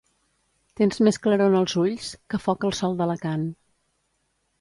Tens més claror en els ulls, que foc el sol d'Alacant.